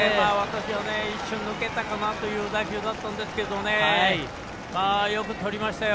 一瞬、抜けたかなという打球だったんですけどねよくとりましたよ。